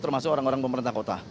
termasuk orang orang pemerintah kota